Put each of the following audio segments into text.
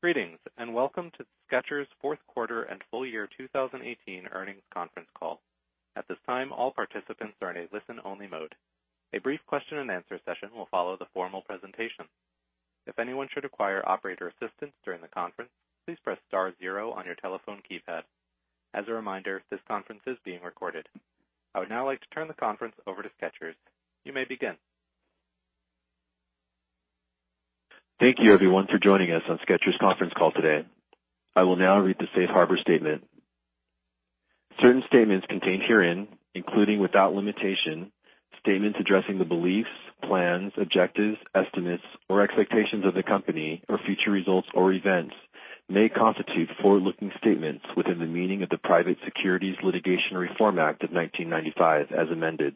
Greetings, welcome to Skechers' fourth quarter and full year 2018 earnings conference call. At this time, all participants are in a listen-only mode. A brief question and answer session will follow the formal presentation. If anyone should require operator assistance during the conference, please press star zero on your telephone keypad. As a reminder, this conference is being recorded. I would now like to turn the conference over to Skechers. You may begin. Thank you, everyone, for joining us on Skechers' conference call today. I will now read the safe harbor statement. Certain statements contained herein, including without limitation, statements addressing the beliefs, plans, objectives, estimates, or expectations of the company or future results or events, may constitute forward-looking statements within the meaning of the Private Securities Litigation Reform Act of 1995, as amended.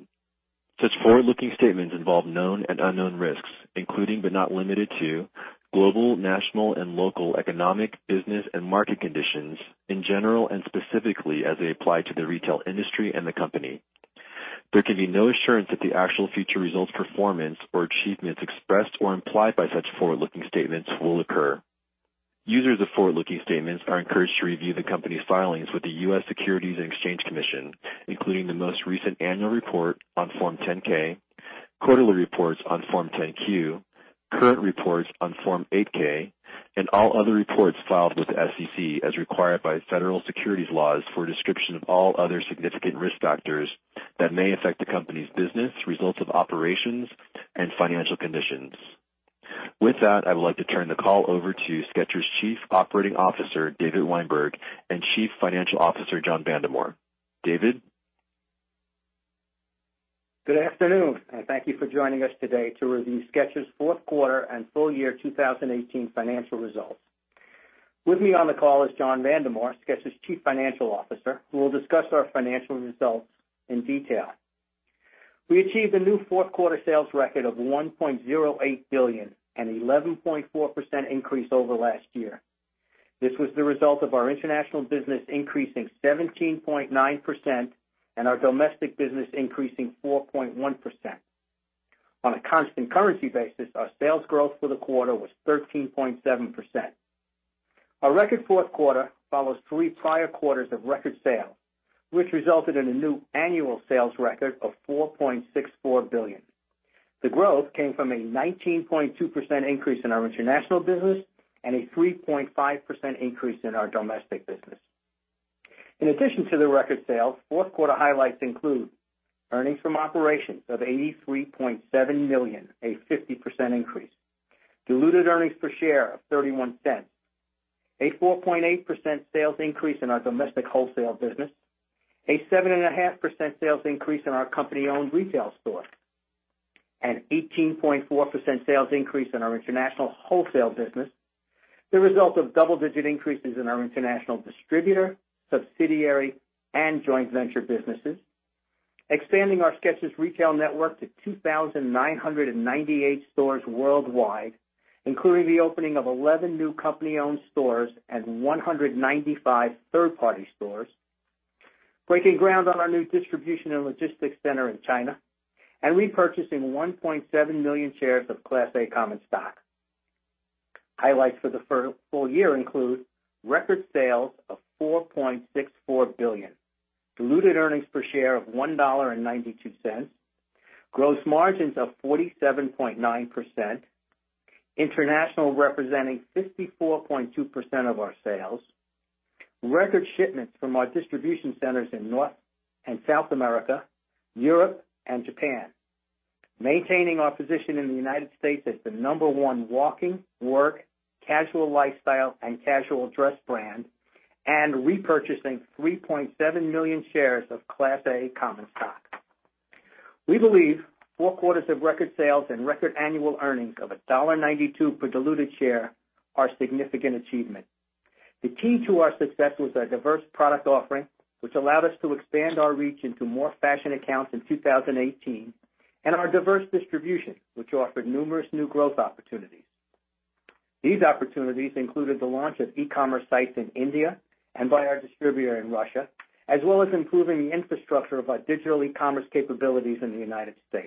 Such forward-looking statements involve known and unknown risks, including but not limited to global, national, and local economic, business, and market conditions in general and specifically as they apply to the retail industry and the company. There can be no assurance that the actual future results, performance, or achievements expressed or implied by such forward-looking statements will occur. Users of forward-looking statements are encouraged to review the company's filings with the U.S. Securities and Exchange Commission, including the most recent annual report on Form 10-K, quarterly reports on Form 10-Q, current reports on Form 8-K, and all other reports filed with the SEC as required by federal securities laws for a description of all other significant risk factors that may affect the company's business, results of operations, and financial conditions. With that, I would like to turn the call over to Skechers' Chief Operating Officer, David Weinberg, and Chief Financial Officer, John Vandemore. David? Good afternoon, thank you for joining us today to review Skechers' fourth quarter and full year 2018 financial results. With me on the call is John Vandemore, Skechers' Chief Financial Officer, who will discuss our financial results in detail. We achieved a new fourth quarter sales record of $1.08 billion, an 11.4% increase over last year. This was the result of our international business increasing 17.9% and our domestic business increasing 4.1%. On a constant currency basis, our sales growth for the quarter was 13.7%. Our record fourth quarter follows three prior quarters of record sales, which resulted in a new annual sales record of $4.64 billion. The growth came from a 19.2% increase in our international business and a 3.5% increase in our domestic business. In addition to the record sales, fourth-quarter highlights include earnings from operations of $83.7 million, a 50% increase, diluted earnings per share of $0.31, a 4.8% sales increase in our domestic wholesale business, a 7.5% sales increase in our company-owned retail store, an 18.4% sales increase in our international wholesale business, the result of double-digit increases in our international distributor, subsidiary, and joint venture businesses. Expanding our Skechers retail network to 2,998 stores worldwide, including the opening of 11 new company-owned stores and 195 third-party stores. Breaking ground on our new distribution and logistics center in China and repurchasing 1.7 million shares of Class A common stock. Highlights for the full year include record sales of $4.64 billion, diluted earnings per share of $1.92, gross margins of 47.9%, international representing 54.2% of our sales, record shipments from our distribution centers in North and South America, Europe, and Japan. Maintaining our position in the U.S. as the number one walking, work, casual lifestyle, and casual dress brand, and repurchasing 3.7 million shares of Class A common stock. We believe four quarters of record sales and record annual earnings of $1.92 per diluted share are a significant achievement. The key to our success was our diverse product offering, which allowed us to expand our reach into more fashion accounts in 2018, and our diverse distribution, which offered numerous new growth opportunities. These opportunities included the launch of e-commerce sites in India and by our distributor in Russia, as well as improving the infrastructure of our digital e-commerce capabilities in the U.S.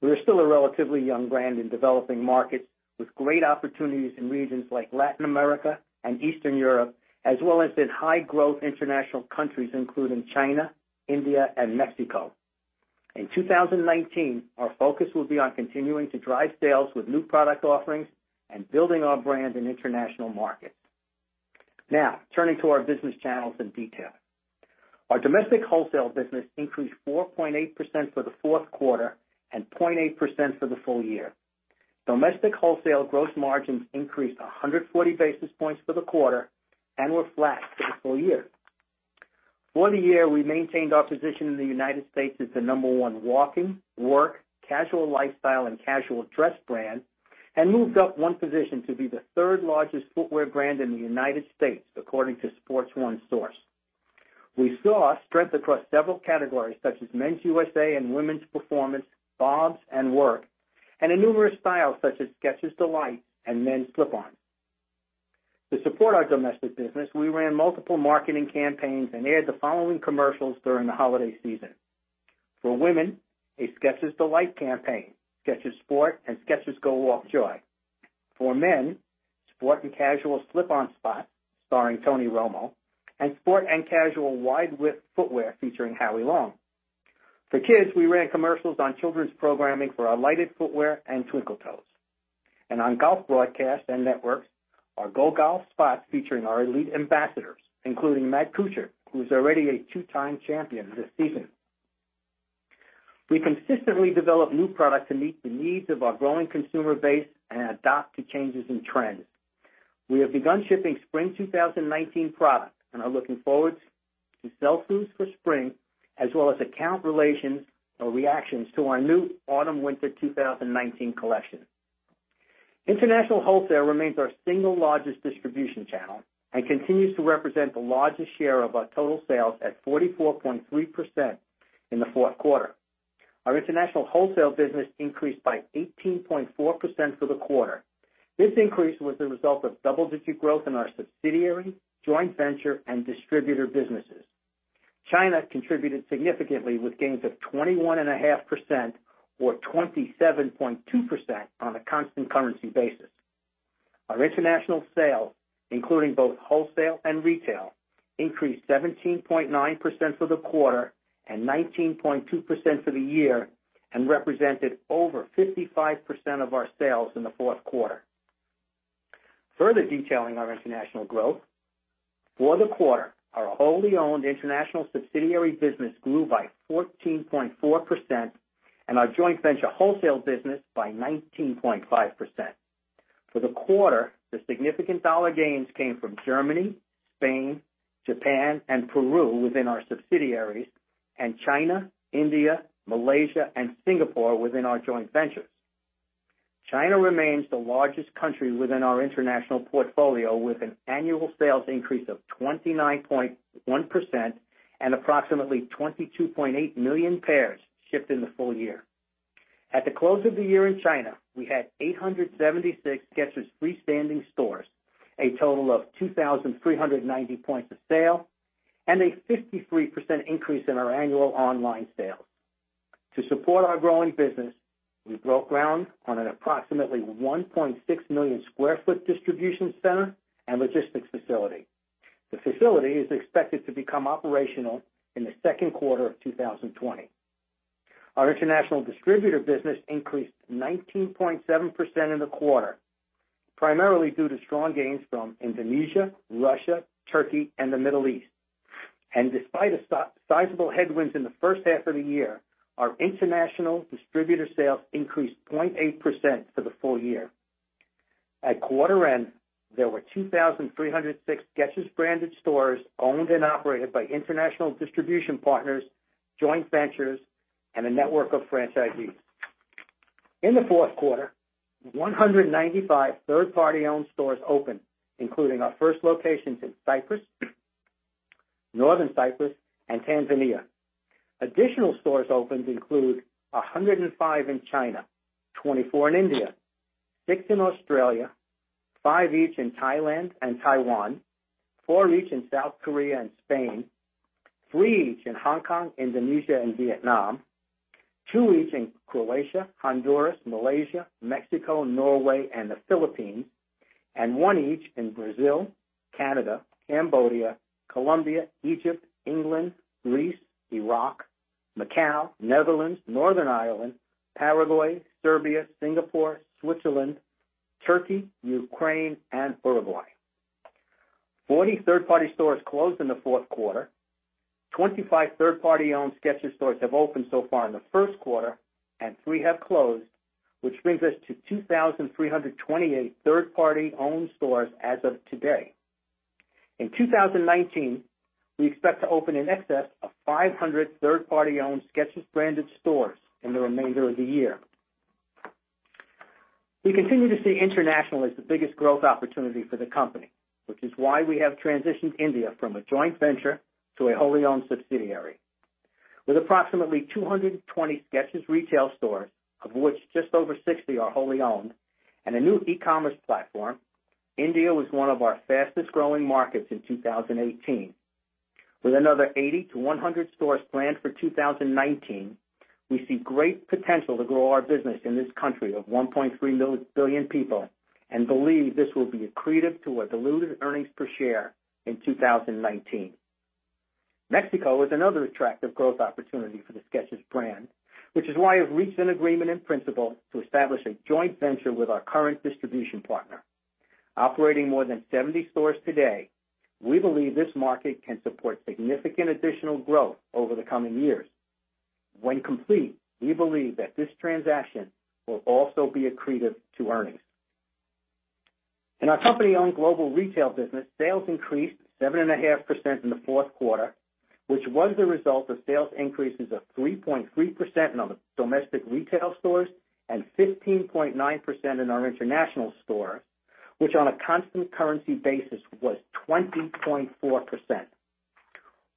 We are still a relatively young brand in developing markets with great opportunities in regions like Latin America and Eastern Europe, as well as in high-growth international countries including China, India, and Mexico. In 2019, our focus will be on continuing to drive sales with new product offerings and building our brand in international markets. Now, turning to our business channels in detail. Our domestic wholesale business increased 4.8% for the fourth quarter and 0.8% for the full year. Domestic wholesale gross margins increased 140 basis points for the quarter and were flat for the full year. For the year, we maintained our position in the U.S. as the number one walking, work, casual lifestyle, and casual dress brand, and moved up one position to be the third largest footwear brand in the U.S., according to SportsOneSource. We saw strength across several categories such as Men's USA and Women's Performance, BOBS and Work, and in numerous styles such as Skechers D'Lites and Men's Slip-Ons. To support our domestic business, we ran multiple marketing campaigns and aired the following commercials during the holiday season. For women, a Skechers D'Lites campaign, Skechers Sport, and Skechers GO WALK Joy. For men, Sport and casual Slip-Ons spot starring Tony Romo, and Sport and casual wide-width footwear featuring Howie Long. For kids, we ran commercials on children's programming for our lighted footwear and Twinkle Toes. And on golf broadcasts and networks, our GO GOLF spots featuring our elite ambassadors, including Matt Kuchar, who's already a two-time champion this season. We consistently develop new product to meet the needs of our growing consumer base and adapt to changes in trends. We have begun shipping Spring 2019 product and are looking forward to sell-throughs for spring, as well as account relations or reactions to our new Autumn/Winter 2019 collection. International wholesale remains our single largest distribution channel and continues to represent the largest share of our total sales at 44.3% in the fourth quarter. Our international wholesale business increased by 18.4% for the quarter. This increase was the result of double-digit growth in our subsidiary, joint venture, and distributor businesses. China contributed significantly with gains of 21.5%, or 27.2% on a constant currency basis. Our international sales, including both wholesale and retail, increased 17.9% for the quarter and 19.2% for the year and represented over 55% of our sales in the fourth quarter. Further detailing our international growth, for the quarter, our wholly owned international subsidiary business grew by 14.4%, and our joint venture wholesale business by 19.5%. For the quarter, the significant dollar gains came from Germany, Spain, Japan, and Peru within our subsidiaries, and China, India, Malaysia, and Singapore within our joint ventures. China remains the largest country within our international portfolio, with an annual sales increase of 29.1% and approximately 22.8 million pairs shipped in the full year. At the close of the year in China, we had 876 Skechers freestanding stores, a total of 2,390 points of sale, and a 53% increase in our annual online sales. To support our growing business, we broke ground on an approximately 1.6 million square foot distribution center and logistics facility. The facility is expected to become operational in the second quarter of 2020. Our international distributor business increased 19.7% in the quarter, primarily due to strong gains from Indonesia, Russia, Turkey, and the Middle East. Despite sizable headwinds in the first half of the year, our international distributor sales increased 0.8% for the full year. At quarter end, there were 2,306 Skechers-branded stores owned and operated by international distribution partners, joint ventures, and a network of franchisees. In the fourth quarter, 195 third-party owned stores opened, including our first locations in Cyprus, Northern Cyprus, and Tanzania. Additional stores opened include 105 in China, 24 in India, six in Australia, five each in Thailand and Taiwan, four each in South Korea and Spain, three each in Hong Kong, Indonesia and Vietnam, two each in Croatia, Honduras, Malaysia, Mexico, Norway, and the Philippines, and one each in Brazil, Canada, Cambodia, Colombia, Egypt, England, Greece, Iraq, Macau, Netherlands, Northern Ireland, Paraguay, Serbia, Singapore, Switzerland, Turkey, Ukraine, and Uruguay. 40 third-party stores closed in the fourth quarter, 25 third-party owned Skechers stores have opened so far in the first quarter and three have closed, which brings us to 2,328 third-party owned stores as of today. In 2019, we expect to open in excess of 500 third-party owned Skechers-branded stores in the remainder of the year. We continue to see international as the biggest growth opportunity for the company, which is why we have transitioned India from a joint venture to a wholly owned subsidiary. With approximately 220 Skechers retail stores, of which just over 60 are wholly owned, and a new e-commerce platform, India was one of our fastest-growing markets in 2018. With another 80-100 stores planned for 2019, we see great potential to grow our business in this country of 1.3 billion people and believe this will be accretive to our diluted earnings per share in 2019. Mexico is another attractive growth opportunity for the Skechers brand, which is why we've reached an agreement in principle to establish a joint venture with our current distribution partner. Operating more than 70 stores today, we believe this market can support significant additional growth over the coming years. When complete, we believe that this transaction will also be accretive to earnings. In our company-owned global retail business, sales increased 7.5% in the fourth quarter, which was the result of sales increases of 3.3% in the domestic retail stores and 15.9% in our international stores, which on a constant currency basis was 20.4%.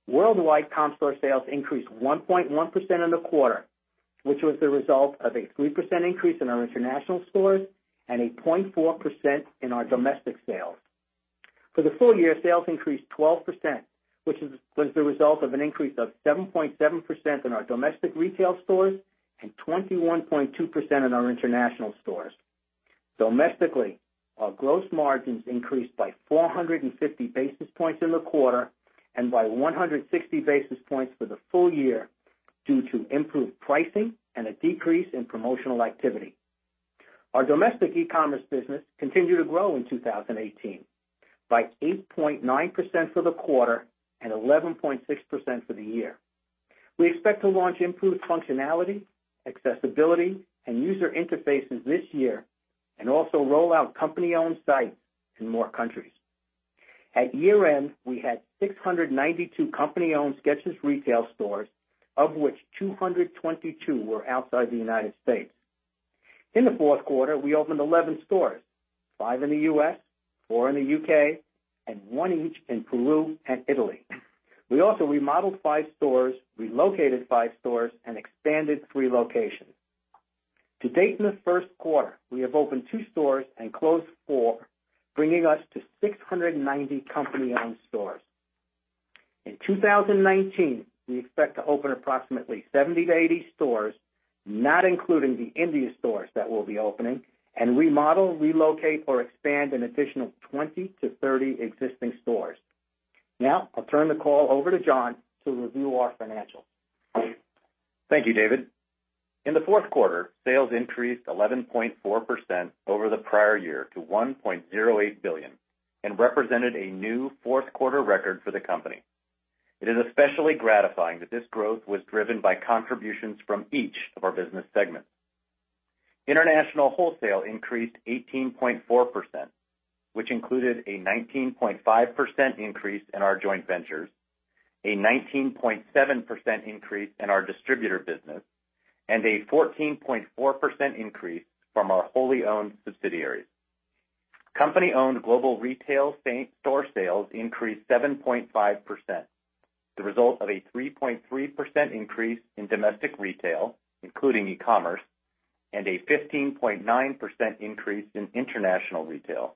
Worldwide comp store sales increased 1.1% in the quarter, which was the result of a 3% increase in our international stores and a 0.4% in our domestic sales. For the full year, sales increased 12%, which was the result of an increase of 7.7% in our domestic retail stores and 21.2% in our international stores. Domestically, our gross margins increased by 450 basis points in the quarter and by 160 basis points for the full year due to improved pricing and a decrease in promotional activity. Our domestic e-commerce business continued to grow in 2018, by 8.9% for the quarter and 11.6% for the year. We expect to launch improved functionality, accessibility, and user interfaces this year, and also roll out company-owned sites in more countries. At year-end, we had 692 company-owned Skechers retail stores, of which 222 were outside the U.S. In the fourth quarter, we opened 11 stores, five in the U.S., four in the U.K., and one each in Peru and Italy. We also remodeled five stores, relocated five stores, and expanded three locations. To date in the first quarter, we have opened two stores and closed four, bringing us to 690 company-owned stores. In 2019, we expect to open approximately 70-80 stores, not including the India stores that we'll be opening, and remodel, relocate, or expand an additional 20-30 existing stores. I'll turn the call over to John to review our financials. Thank you, David. In the fourth quarter, sales increased 11.4% over the prior year to $1.08 billion and represented a new fourth-quarter record for the company. It is especially gratifying that this growth was driven by contributions from each of our business segments. International wholesale increased 18.4%, which included a 19.5% increase in our joint ventures, a 19.7% increase in our distributor business, and a 14.4% increase from our wholly owned subsidiaries. Company-owned global retail store sales increased 7.5%, the result of a 3.3% increase in domestic retail, including e-commerce, and a 15.9% increase in international retail.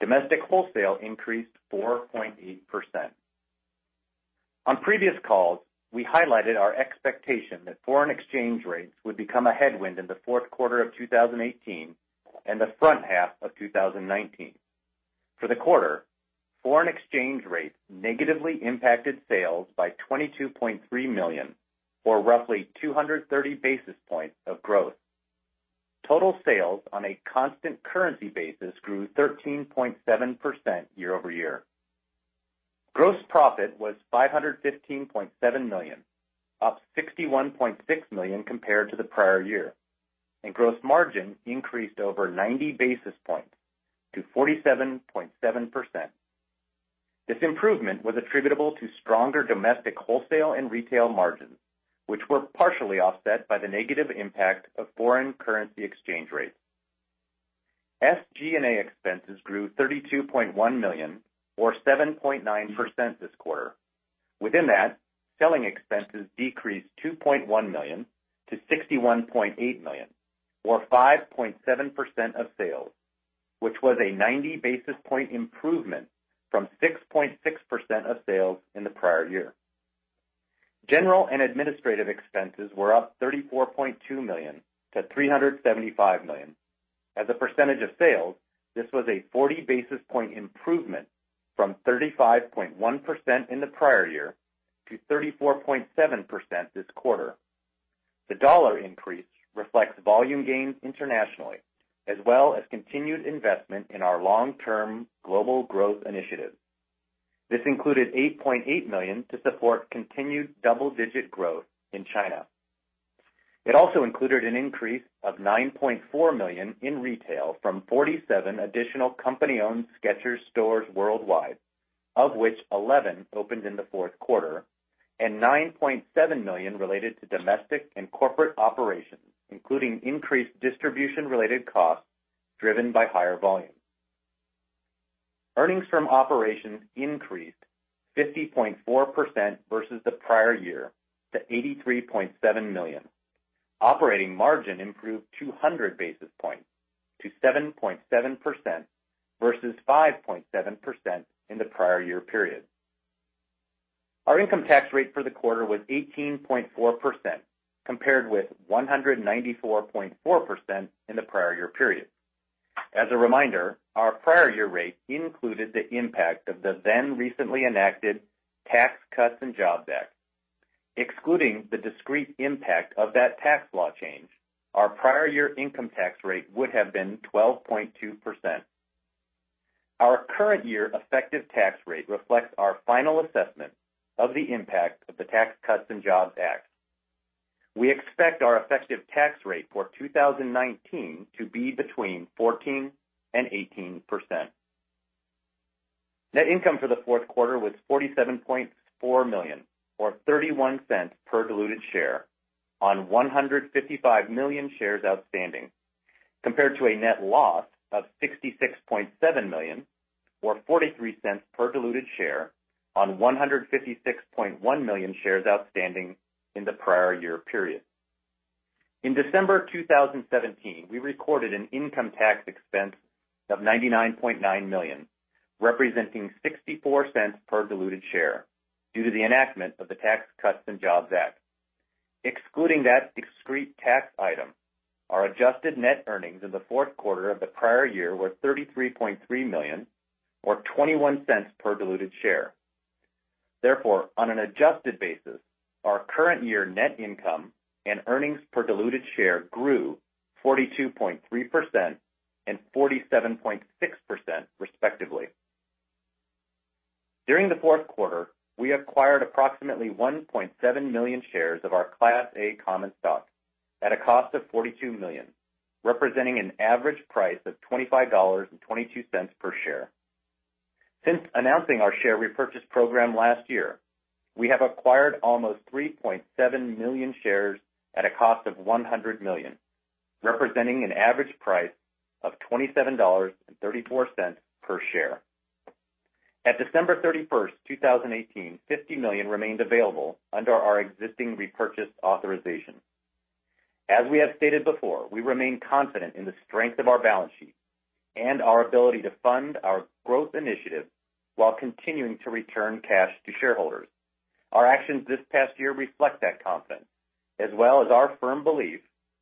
Domestic wholesale increased 4.8%. On previous calls, we highlighted our expectation that foreign exchange rates would become a headwind in the fourth quarter of 2018 and the front half of 2019. For the quarter, foreign exchange rates negatively impacted sales by $22.3 million, or roughly 230 basis points of growth. Total sales on a constant currency basis grew 13.7% year-over-year. Gross profit was $515.7 million, up $61.6 million compared to the prior year, and gross margin increased over 90 basis points to 47.7%. This improvement was attributable to stronger domestic wholesale and retail margins, which were partially offset by the negative impact of foreign currency exchange rates. SG&A expenses grew $32.1 million or 7.9% this quarter. Within that, selling expenses decreased $2.1 million to $61.8 million or 5.7% of sales, which was a 90 basis point improvement from 6.6% of sales in the prior year. General and administrative expenses were up $34.2 million to $375 million. As a percentage of sales, this was a 40 basis point improvement from 35.1% in the prior year to 34.7% this quarter. The dollar increase reflects volume gains internationally, as well as continued investment in our long-term global growth initiative. This included $8.8 million to support continued double-digit growth in China. It also included an increase of $9.4 million in retail from 47 additional company-owned Skechers stores worldwide, of which 11 opened in the fourth quarter, and $9.7 million related to domestic and corporate operations, including increased distribution-related costs driven by higher volume. Earnings from operations increased 50.4% versus the prior year to $83.7 million. Operating margin improved 200 basis points to 7.7% versus 5.7% in the prior year period. Our income tax rate for the quarter was 18.4% compared with 194.4% in the prior year period. As a reminder, our prior year rate included the impact of the then recently enacted Tax Cuts and Jobs Act. Excluding the discrete impact of that tax law change, our prior year income tax rate would have been 12.2%. Our current year effective tax rate reflects our final assessment of the impact of the Tax Cuts and Jobs Act. We expect our effective tax rate for 2019 to be between 14%-18%. Net income for the fourth quarter was $47.4 million, or $0.31 per diluted share on 155 million shares outstanding. Compared to a net loss of $66.7 million or $0.43 per diluted share on 156.1 million shares outstanding in the prior year period. In December 2017, we recorded an income tax expense of $99.9 million, representing $0.64 per diluted share due to the enactment of the Tax Cuts and Jobs Act. Excluding that discrete tax item, our adjusted net earnings in the fourth quarter of the prior year were $33.3 million or $0.21 per diluted share. Therefore, on an adjusted basis, our current year net income and earnings per diluted share grew 42.3% and 47.6% respectively. During the fourth quarter, we acquired approximately 1.7 million shares of our Class A common stock at a cost of $42 million, representing an average price of $25.22 per share. Since announcing our share repurchase program last year, we have acquired almost 3.7 million shares at a cost of $100 million, representing an average price of $27.34 per share. At December 31st, 2018, $50 million remained available under our existing repurchase authorization. As we have stated before, we remain confident in the strength of our balance sheet and our ability to fund our growth initiatives while continuing to return cash to shareholders. Our actions this past year reflect that confidence, as well as our firm belief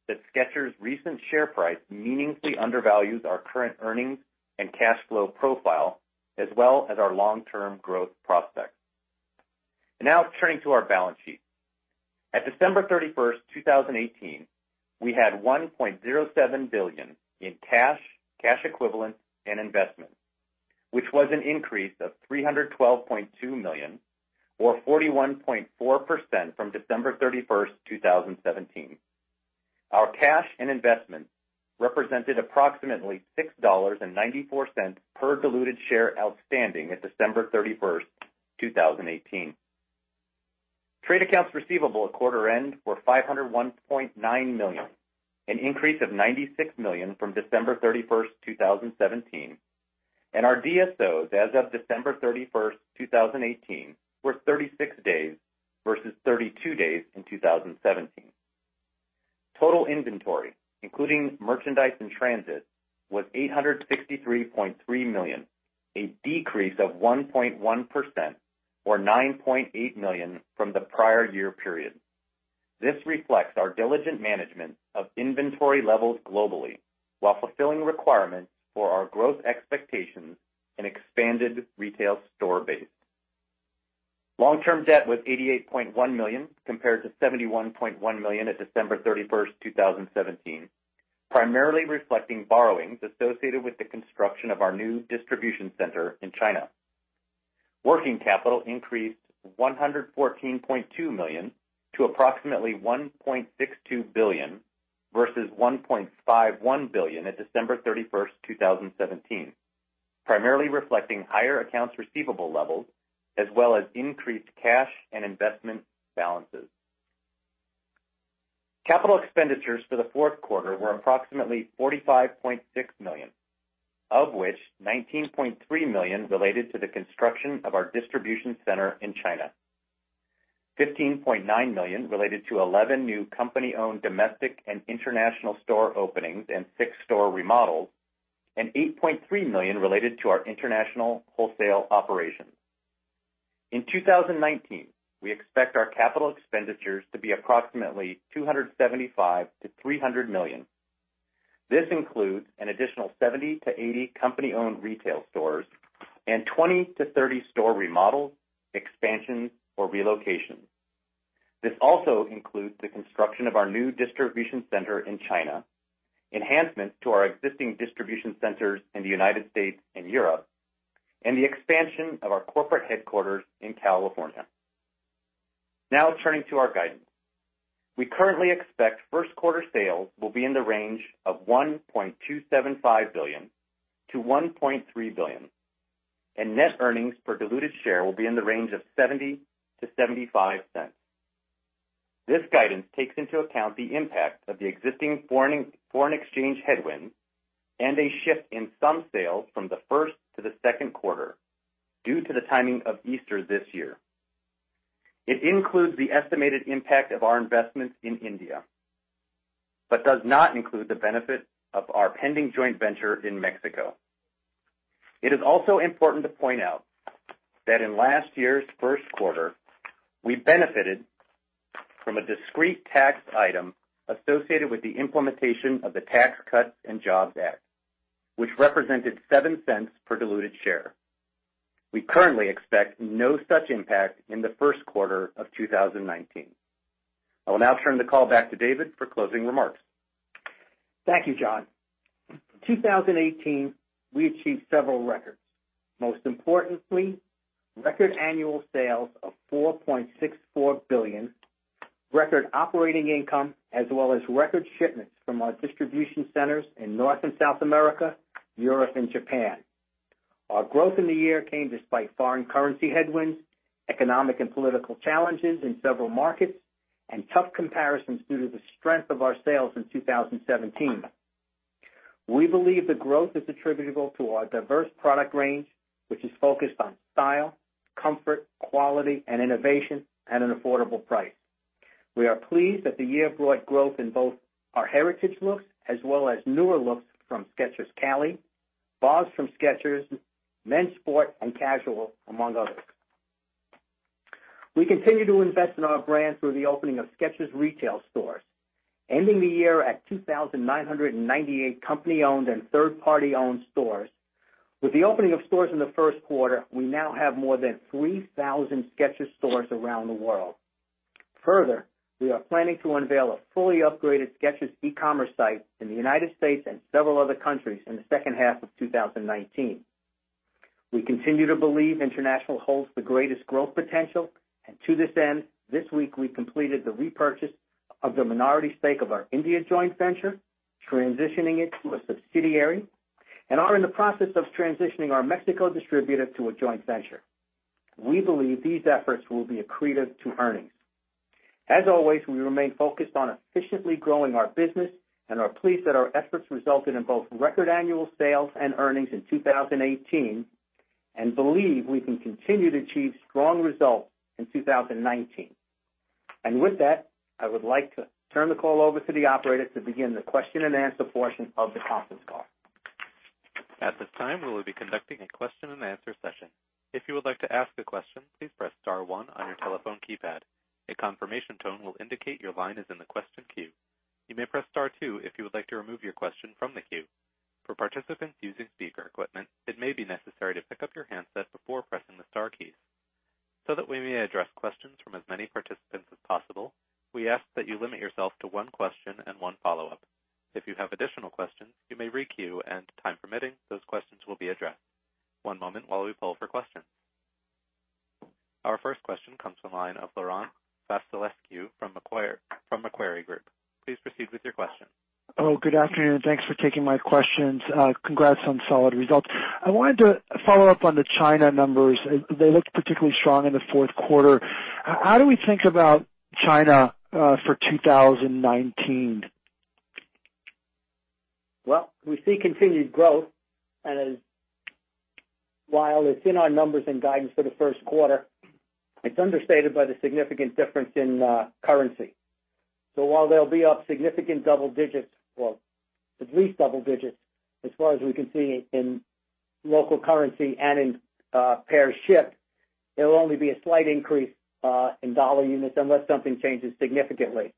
that Skechers' recent share price meaningfully undervalues our current earnings and cash flow profile, as well as our long-term growth prospects. Now turning to our balance sheet. At December 31st, 2018, we had $1.07 billion in cash equivalents, and investments, which was an increase of $312.2 million, or 41.4%, from December 31st, 2017. Our cash and investments represented approximately $6.94 per diluted share outstanding at December 31st, 2018. Trade accounts receivable at quarter end were $501.9 million, an increase of $96 million from December 31st, 2017, and our DSOs as of December 31st, 2018, were 36 days versus 32 days in 2017. Total inventory, including merchandise in transit, was $863.3 million, a decrease of 1.1%, or $9.8 million from the prior year period. This reflects our diligent management of inventory levels globally while fulfilling requirements for our growth expectations and expanded retail store base. Long-term debt was $88.1 million, compared to $71.1 million at December 31st, 2017, primarily reflecting borrowings associated with the construction of our new distribution center in China. Working capital increased $114.2 million to approximately $1.62 billion versus $1.51 billion at December 31st, 2017, primarily reflecting higher accounts receivable levels, as well as increased cash and investment balances. Capital expenditures for the fourth quarter were approximately $45.6 million, of which $19.3 million related to the construction of our distribution center in China. $15.9 million related to 11 new company-owned domestic and international store openings and six store remodels, and $8.3 million related to our international wholesale operations. In 2019, we expect our capital expenditures to be approximately $275 million-$300 million. This includes an additional 70-80 company-owned retail stores and 20-30 store remodels, expansions, or relocations. This also includes the construction of our new distribution center in China, enhancements to our existing distribution centers in the United States and Europe, and the expansion of our corporate headquarters in California. Now turning to our guidance. We currently expect first quarter sales will be in the range of $1.275 billion-$1.3 billion, and net earnings per diluted share will be in the range of $0.70-$0.75. This guidance takes into account the impact of the existing foreign exchange headwind and a shift in some sales from the first to the second quarter due to the timing of Easter this year. It includes the estimated impact of our investments in India, but does not include the benefit of our pending joint venture in Mexico. It is also important to point out that in last year's first quarter, we benefited from a discrete tax item associated with the implementation of the Tax Cuts and Jobs Act, which represented $0.07 per diluted share. We currently expect no such impact in the first quarter of 2019. I will now turn the call back to David for closing remarks. Thank you, John. 2018, we achieved several records. Most importantly, record annual sales of $4.64 billion, record operating income, as well as record shipments from our distribution centers in North and South America, Europe, and Japan. Our growth in the year came despite foreign currency headwinds, economic and political challenges in several markets, and tough comparisons due to the strength of our sales in 2017. We believe the growth is attributable to our diverse product range, which is focused on style, comfort, quality and innovation at an affordable price. We are pleased that the year brought growth in both our heritage looks as well as newer looks from Skechers Cali, BOBS from Skechers, men's sport and casual, among others. We continue to invest in our brand through the opening of Skechers retail stores, ending the year at 2,998 company-owned and third party-owned stores. With the opening of stores in the first quarter, we now have more than 3,000 Skechers stores around the world. Further, we are planning to unveil a fully upgraded Skechers e-commerce site in the United States and several other countries in the second half of 2019. We continue to believe international holds the greatest growth potential, and to this end, this week we completed the repurchase of the minority stake of our India joint venture, transitioning it to a subsidiary, and are in the process of transitioning our Mexico distributor to a joint venture. We believe these efforts will be accretive to earnings. As always, we remain focused on efficiently growing our business and are pleased that our efforts resulted in both record annual sales and earnings in 2018, and believe we can continue to achieve strong results in 2019. With that, I would like to turn the call over to the operator to begin the question and answer portion of the conference call. At this time, we will be conducting a question and answer session. If you would like to ask a question, please press star one on your telephone keypad. A confirmation tone will indicate your line is in the question queue. You may press star two if you would like to remove your question from the queue. For participants using speaker equipment, it may be necessary to pick up your handset before pressing the star keys. That we may address questions from as many participants as possible, we ask that you limit yourself to one question and one follow-up. If you have additional questions, you may re-queue and, time permitting, those questions will be addressed. One moment while we poll for questions. Our first question comes from the line of Laurent Vasilescu from Macquarie Group. Please proceed with your question. Good afternoon. Thanks for taking my questions. Congrats on solid results. I wanted to follow up on the China numbers. They looked particularly strong in the fourth quarter. How do we think about China for 2019? Well, we see continued growth, while it's in our numbers and guidance for the first quarter, it's understated by the significant difference in currency. While they'll be up significant double digits, well, at least double digits as far as we can see in local currency and in pairs shipped, it'll only be a slight increase in dollar units unless something changes significantly.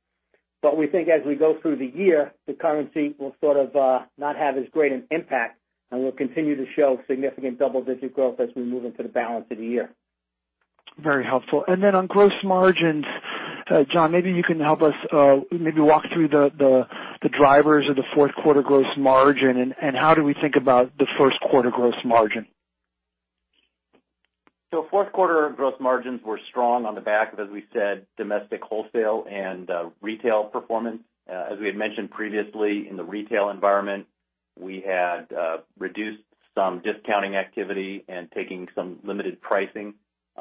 We think as we go through the year, the currency will sort of not have as great an impact, and we'll continue to show significant double-digit growth as we move into the balance of the year. Very helpful. On gross margins, John, maybe you can help us maybe walk through the drivers of the fourth quarter gross margin and how do we think about the first quarter gross margin? Fourth quarter gross margins were strong on the back of, as we said, domestic wholesale and retail performance. As we had mentioned previously, in the retail environment, we had reduced some discounting activity and taking some limited pricing.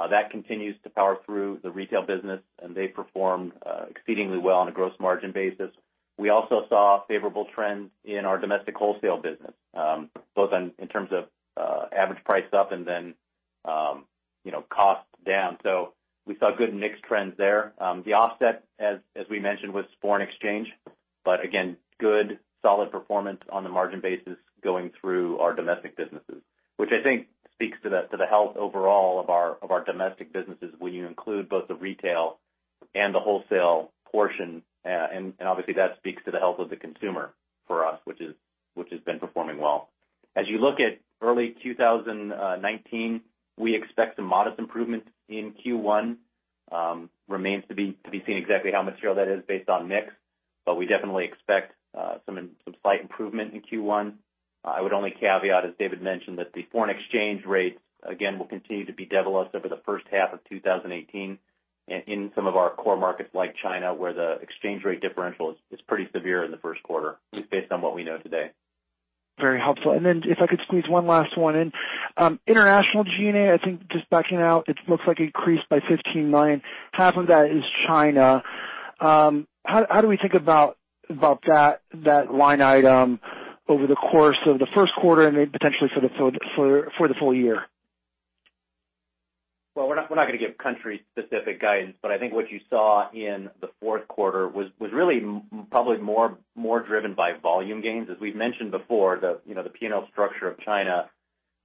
That continues to power through the retail business, and they performed exceedingly well on a gross margin basis. We also saw favorable trends in our domestic wholesale business, both in terms of average price up and then cost down. We saw good mix trends there. The offset as we mentioned, was foreign exchange. Again, good solid performance on the margin basis going through our domestic businesses, which I think speaks to the health overall of our domestic businesses when you include both the retail and the wholesale portion, and obviously that speaks to the health of the consumer for us, which has been performing well. As you look at early 2019, we expect some modest improvements in Q1. Remains to be seen exactly how material that is based on mix. We definitely expect some slight improvement in Q1. I would only caveat, as David mentioned, that the foreign exchange rates, again, will continue to be devilish over the first half of 2018 in some of our core markets like China, where the exchange rate differential is pretty severe in the first quarter, based on what we know today. Very helpful. If I could squeeze one last one in. International SG&A, I think just backing out, it looks like it increased by $15 million. Half of that is China. How do we think about that line item over the course of the first quarter and then potentially for the full year? Well, we're not going to give country specific guidance, but I think what you saw in the fourth quarter was really probably more driven by volume gains. As we've mentioned before, the P&L structure of China,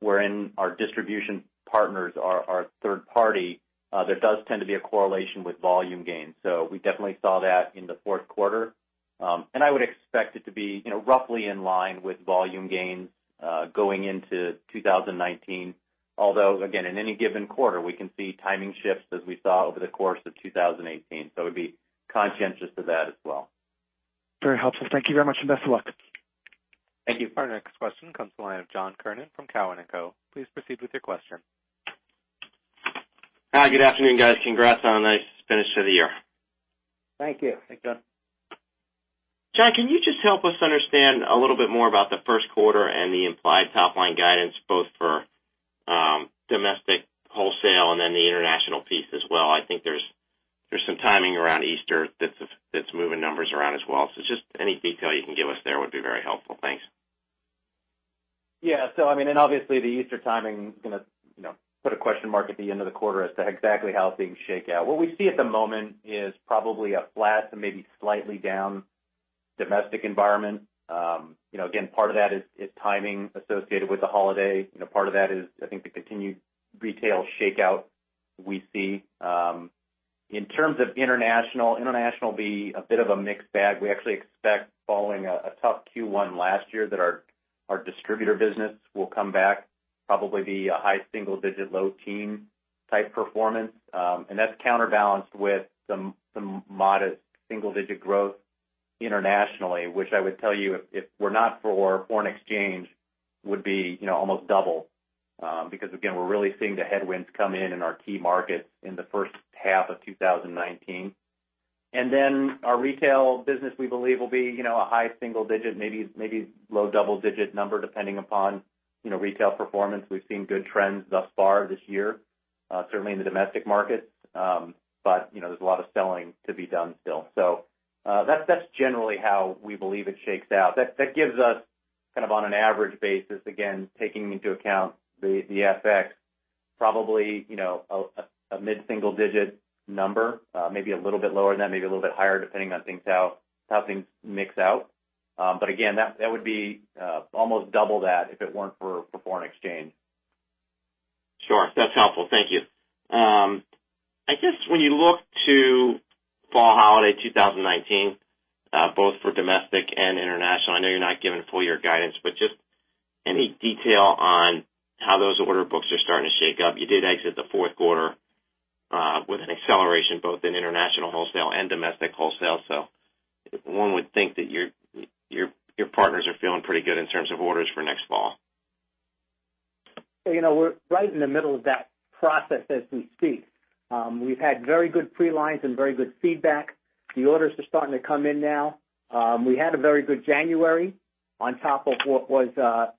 wherein our distribution partners are third party, there does tend to be a correlation with volume gains. We definitely saw that in the fourth quarter. I would expect it to be roughly in line with volume gains going into 2019. Although, again, in any given quarter, we can see timing shifts as we saw over the course of 2018. It would be conscientious of that as well. Very helpful. Thank you very much and best of luck. Thank you. Our next question comes the line of John Kernan from Cowen and Co. Please proceed with your question. Hi. Good afternoon, guys. Congrats on a nice finish to the year. Thank you. Thanks, John. John, can you just help us understand a little bit more about the first quarter and the implied top-line guidance, both for domestic wholesale and then the international piece as well? I think there's some timing around Easter that's moving numbers around as well. Just any detail you can give us there would be very helpful. Thanks. Yeah. Obviously the Easter timing is going to put a question mark at the end of the quarter as to exactly how things shake out. What we see at the moment is probably a flat to maybe slightly down domestic environment. Again, part of that is timing associated with the holiday. Part of that is, I think, the continued retail shakeout we see. In terms of international will be a bit of a mixed bag. We actually expect following a tough Q1 last year that our distributor business will come back, probably be a high single-digit, low-teen type performance. That's counterbalanced with some modest single-digit growth internationally, which I would tell you, if were not for foreign exchange, would be almost double. Again, we're really seeing the headwinds come in in our key markets in the first half of 2019. Our retail business, we believe, will be a high single-digit, maybe low double-digit number, depending upon retail performance. We've seen good trends thus far this year, certainly in the domestic markets. There's a lot of selling to be done still. That's generally how we believe it shakes out. That gives us, on an average basis, again, taking into account the FX, probably a mid-single-digit number, maybe a little bit lower than that, maybe a little bit higher, depending on how things mix out. Again, that would be almost double that if it weren't for foreign exchange. Sure. That's helpful. Thank you. I guess when you look to fall holiday 2019, both for domestic and international, I know you're not giving full year guidance, but just any detail on how those order books are starting to shake up. You did exit the fourth quarter with an acceleration, both in international wholesale and domestic wholesale. One would think that your partners are feeling pretty good in terms of orders for next fall. We're right in the middle of that process as we speak. We've had very good pre-lines and very good feedback. The orders are starting to come in now. We had a very good January on top of what was a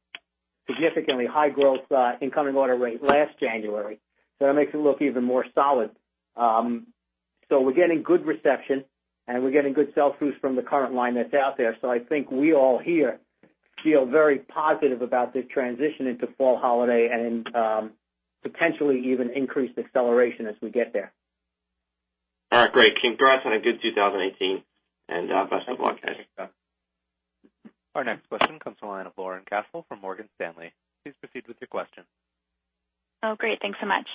significantly high growth incoming order rate last January. That makes it look even more solid. We're getting good reception, and we're getting good sell-throughs from the current line that's out there. I think we all here feel very positive about the transition into fall holiday and potentially even increased acceleration as we get there. All right. Great. Congrats on a good 2018 and best of luck guys. Our next question comes from the line of Lauren Cassel from Morgan Stanley. Please proceed with your question. Great. Thanks so much.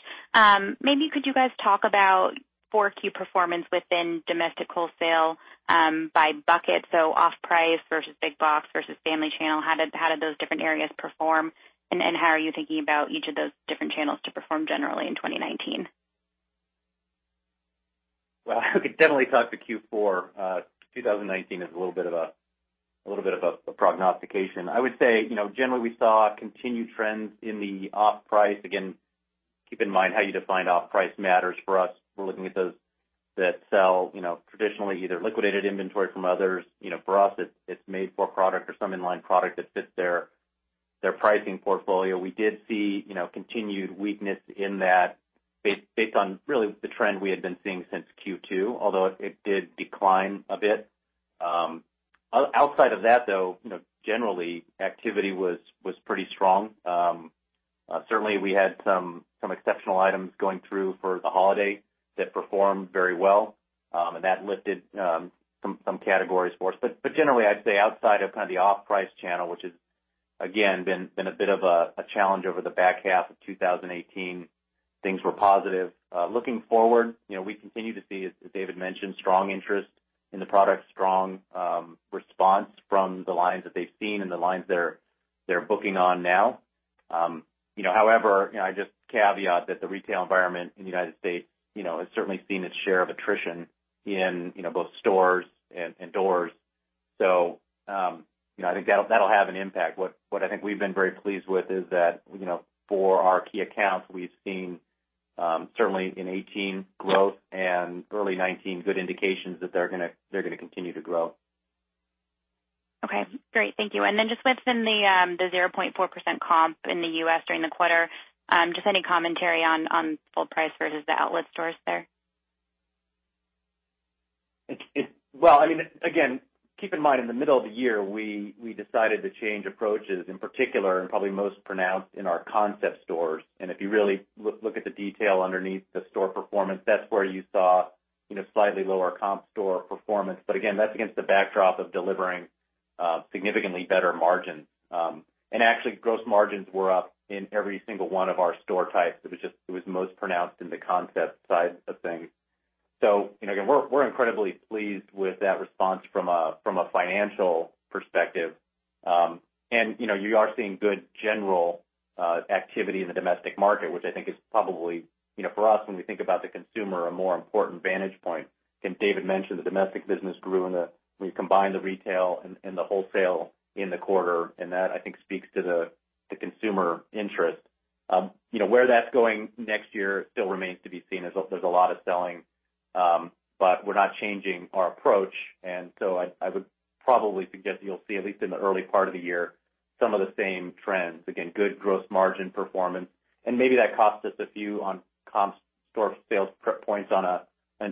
Maybe could you guys talk about 4Q performance within domestic wholesale by bucket. Off-price versus big box versus family channel. How did those different areas perform, and how are you thinking about each of those different channels to perform generally in 2019? I could definitely talk to Q4. 2019 is a little bit of a prognostication. I would say, generally, we saw continued trends in the off-price. Again, keep in mind how you define off-price matters for us. We're looking at those that sell traditionally either liquidated inventory from others. For us, it's made for product or some in-line product that fits their pricing portfolio. We did see continued weakness in that based on really the trend we had been seeing since Q2, although it did decline a bit. Outside of that, though, generally, activity was pretty strong. Certainly, we had some exceptional items going through for the holiday that performed very well. That lifted some categories for us. Generally, I'd say outside of the off-price channel, which has again, been a bit of a challenge over the back half of 2018, things were positive. Looking forward, we continue to see, as David mentioned, strong interest in the product, strong response from the lines that they've seen and the lines they're booking on now. However, I just caveat that the retail environment in the U.S. has certainly seen its share of attrition in both stores and doors. I think that'll have an impact. What I think we've been very pleased with is that for our key accounts, we've seen, certainly in '18, growth and early '19, good indications that they're going to continue to grow. Okay. Great. Thank you. Just within the 0.4% comp in the U.S. during the quarter, just any commentary on full price versus the outlet stores there? Again, keep in mind, in the middle of the year, we decided to change approaches, in particular, and probably most pronounced in our concept stores. If you really look at the detail underneath the store performance, that's where you saw slightly lower comp store performance. Again, that's against the backdrop of delivering significantly better margins. Actually, gross margins were up in every single one of our store types. It was most pronounced in the concept side of things. Again, we're incredibly pleased with that response from a financial perspective. You are seeing good general activity in the domestic market, which I think is probably, for us, when we think about the consumer, a more important vantage point. As David mentioned, the domestic business grew when you combine the retail and the wholesale in the quarter, and that, I think, speaks to the consumer interest. Where that's going next year still remains to be seen, as there's a lot of selling. We're not changing our approach, I would probably suggest you'll see, at least in the early part of the year, some of the same trends. Good gross margin performance, maybe that cost us a few on comp store sales points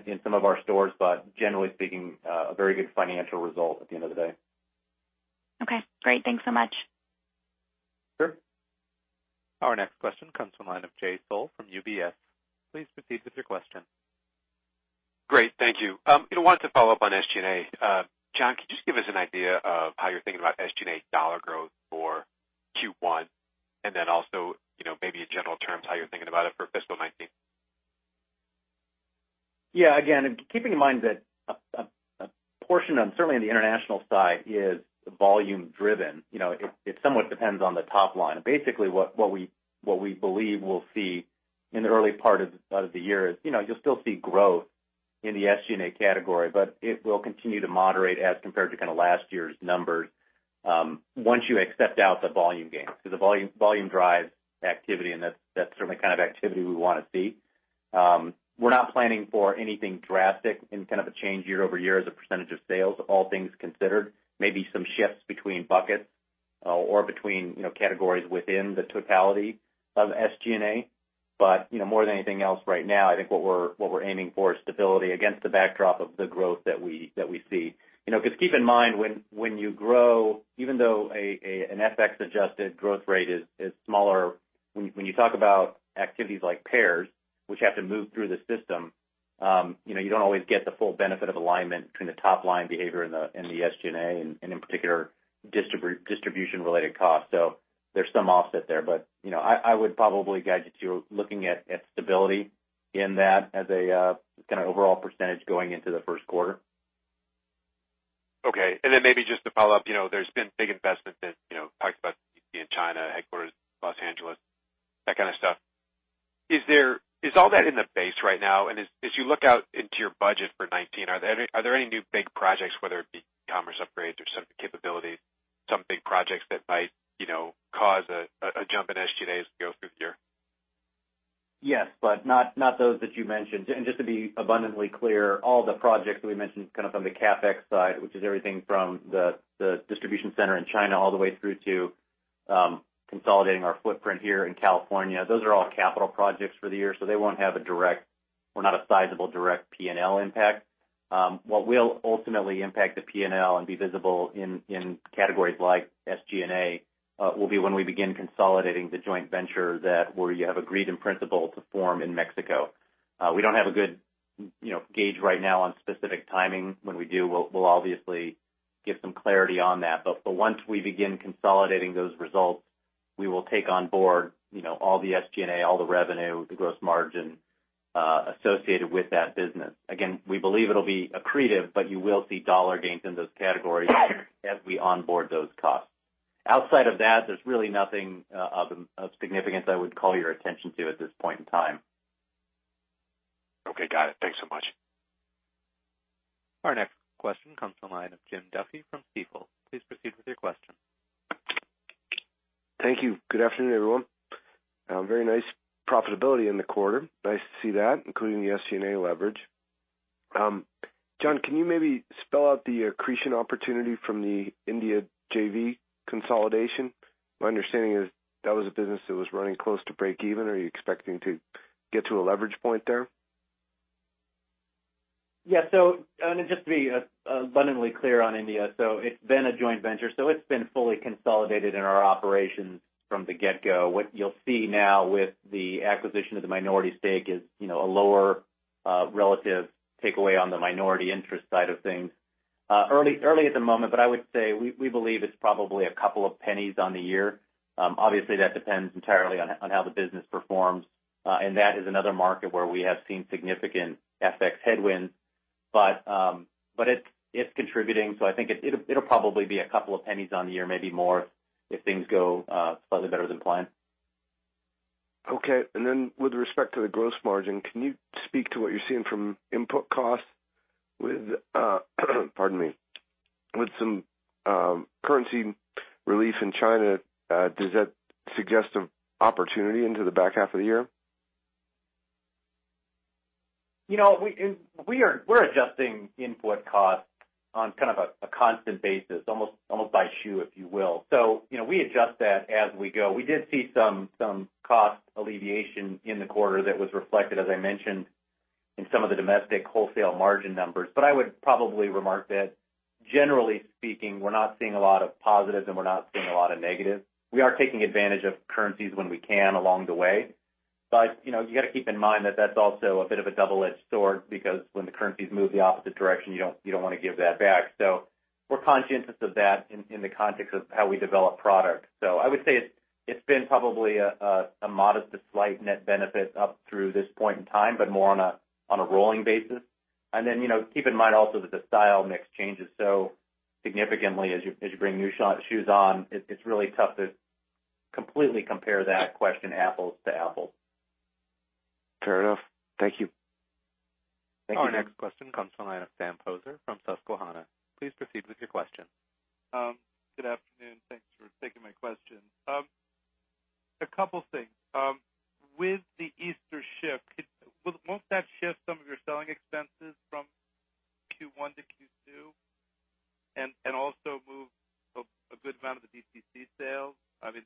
in some of our stores, generally speaking, a very good financial result at the end of the day. Great. Thanks so much. Sure. Our next question comes from the line of Jay Sole from UBS. Please proceed with your question. Great. Thank you. I wanted to follow up on SG&A. John, could you just give us an idea of how you're thinking about SG&A dollar growth for Q1? Also, maybe in general terms, how you're thinking about it for fiscal 2019. Yeah. Again, keeping in mind that a portion, certainly on the international side, is volume driven. It somewhat depends on the top line. Basically, what we believe we'll see in the early part of the year is you'll still see growth in the SG&A category, but it will continue to moderate as compared to last year's numbers once you accept out the volume gains. Because the volume drives activity, and that's certainly the kind of activity we want to see. We're not planning for anything drastic in kind of a change year-over-year as a percentage of sales, all things considered. Maybe some shifts between buckets or between categories within the totality of SG&A. More than anything else right now, I think what we're aiming for is stability against the backdrop of the growth that we see. Keep in mind, when you grow, even though an FX adjusted growth rate is smaller, when you talk about activities like pairs, which have to move through the system, you don't always get the full benefit of alignment between the top-line behavior and the SG&A, and in particular, distribution-related costs. There's some offset there. I would probably guide you to looking at stability in that as a kind of overall percentage going into the first quarter. Okay. Maybe just to follow up, there's been big investments talked about in China, headquarters, Los Angeles, that kind of stuff. Is all that in the base right now? As you look out into your budget for 2019, are there any new big projects, whether it be commerce upgrades or certain capabilities, some big projects that might cause a jump in SG&A as we go through the year? Yes, but not those that you mentioned. Just to be abundantly clear, all the projects that we mentioned kind of on the CapEx side, which is everything from the distribution center in China all the way through to consolidating our footprint here in California. Those are all capital projects for the year, so they won't have a direct or not a sizable direct P&L impact. What will ultimately impact the P&L and be visible in categories like SG&A will be when we begin consolidating the joint venture that we have agreed in principle to form in Mexico. We don't have a good gauge right now on specific timing. When we do, we'll obviously give some clarity on that. Once we begin consolidating those results, we will take on board all the SG&A, all the revenue, the gross margin associated with that business. Again, we believe it'll be accretive, you will see dollar gains in those categories as we onboard those costs. Outside of that, there's really nothing of significance I would call your attention to at this point in time. Okay, got it. Thanks so much. Our next question comes from the line of Jim Duffy from Stifel. Please proceed with your question. Thank you. Good afternoon, everyone. Very nice profitability in the quarter. Nice to see that, including the SG&A leverage. John, can you maybe spell out the accretion opportunity from the India JV consolidation? My understanding is that was a business that was running close to breakeven. Are you expecting to get to a leverage point there? Yeah. Just to be abundantly clear on India, it's been a joint venture, it's been fully consolidated in our operations from the get-go. What you'll see now with the acquisition of the minority stake is a lower relative takeaway on the minority interest side of things. Early at the moment, I would say we believe it's probably a couple of pennies on the year. Obviously, that depends entirely on how the business performs. That is another market where we have seen significant FX headwinds. It's contributing. I think it'll probably be a couple of pennies on the year, maybe more if things go slightly better than planned. Okay. With respect to the gross margin, can you speak to what you're seeing from input costs with pardon me, with some currency relief in China? Does that suggest an opportunity into the back half of the year? We're adjusting input costs on kind of a constant basis, almost by shoe, if you will. We adjust that as we go. We did see some cost alleviation in the quarter that was reflected, as I mentioned, in some of the domestic wholesale margin numbers. I would probably remark that generally speaking, we're not seeing a lot of positives, and we're not seeing a lot of negatives. We are taking advantage of currencies when we can along the way. You got to keep in mind that that's also a bit of a double-edged sword because when the currencies move the opposite direction, you don't want to give that back. We're conscientious of that in the context of how we develop product. I would say it's been probably a modest to slight net benefit up through this point in time, but more on a rolling basis. Keep in mind also that the style mix changes so significantly as you bring new shoes on. It is really tough to completely compare that question apples to apples. Fair enough. Thank you. Our next question comes from the line of Sam Poser from Susquehanna. Please proceed with your question. Good afternoon. Thanks for taking my question. A couple things. With the Easter shift, won't that shift some of your selling expenses from Q1 to Q2 and also move a good amount of the DTC sales? I mean,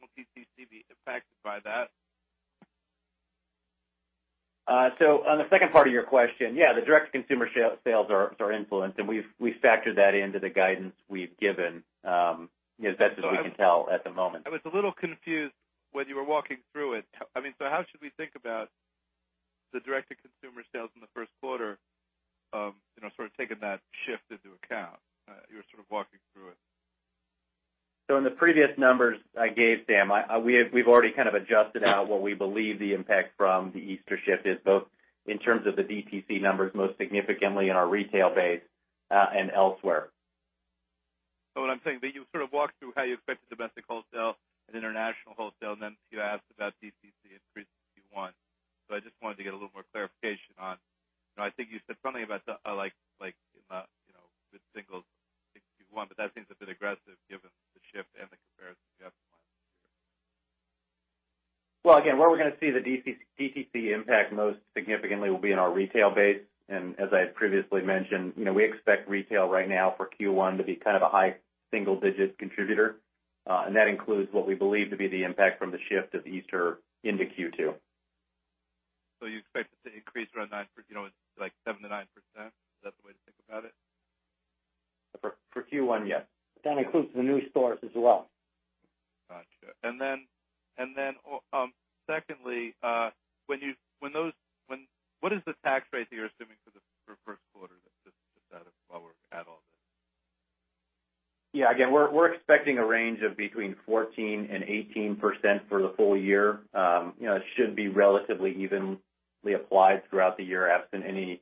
won't DTC be impacted by that? On the second part of your question, yeah, the direct-to-consumer sales are influenced, and we've factored that into the guidance we've given, as best as we can tell at the moment. I was a little confused when you were walking through it. How should we think about the direct-to-consumer sales in the first quarter, sort of taking that shift into account? You were sort of walking through it. In the previous numbers I gave, Sam, we've already kind of adjusted out what we believe the impact from the Easter shift is, both in terms of the DTC numbers, most significantly in our retail base, and elsewhere. What I'm saying, that you sort of walked through how you expect the domestic wholesale and international wholesale, and then you asked about DTC increase in Q1. I just wanted to get a little more clarification on I think you said something about the single Q1, but that seems a bit aggressive given the shift and the comparison you have from last year. Well, again, where we're going to see the DTC impact most significantly will be in our retail base. As I had previously mentioned, we expect retail right now for Q1 to be kind of a high single-digit contributor. That includes what we believe to be the impact from the shift of Easter into Q2. You expect it to increase around, like 7%-9%? Is that the way to think about it? For Q1, yes. That includes the new stores as well. Got you. Secondly, what is the tax rate that you're assuming for Q1? That's just out of while we're at all this. Again, we're expecting a range of between 14%-18% for the full year. It should be relatively evenly applied throughout the year, absent any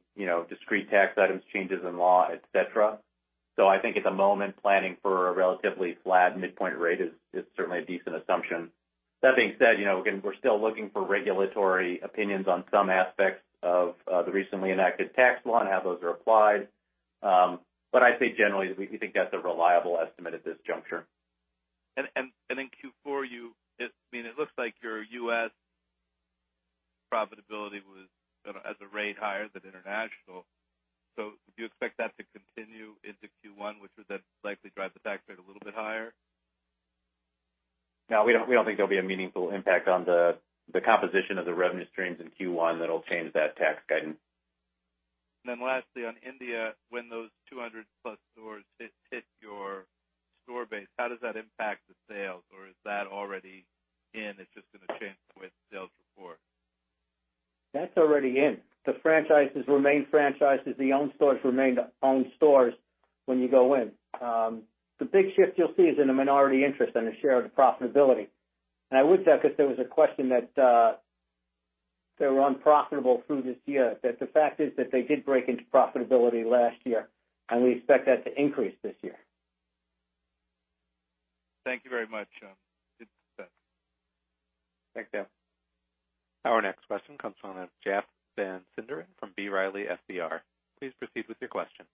discrete tax items, changes in law, etc. I think at the moment, planning for a relatively flat midpoint rate is certainly a decent assumption. That being said, again, we're still looking for regulatory opinions on some aspects of the recently enacted tax law and how those are applied. I think generally, we think that's a reliable estimate at this juncture. In Q4, it looks like your U.S. profitability was at a rate higher than international. Do you expect that to continue into Q1, which would then likely drive the tax rate a little bit higher? No, we don't think there'll be a meaningful impact on the composition of the revenue streams in Q1 that'll change that tax guidance. Lastly, on India, when those 200+ stores hit your store base, how does that impact the sales? Or is that already in, it's just going to change the way the sales report? That's already in. The franchises remain franchises. The owned stores remain the owned stores when you go in. The big shift you'll see is in the minority interest on the share of the profitability. I would say, because there was a question that they were unprofitable through this year, that the fact is that they did break into profitability last year, and we expect that to increase this year. Thank you very much. It's set. Thanks, Sam. Our next question comes from the line of Jeff Van Sinderen from B. Riley FBR. Please proceed with your question.